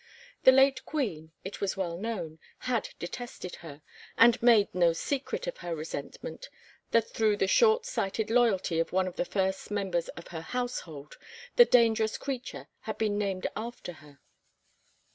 The late Queen, it was well known, had detested her, and made no secret of her resentment that through the short sighted loyalty of one of the first members of her Household, the dangerous creature had been named after her.